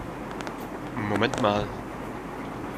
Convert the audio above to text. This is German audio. Moment mal!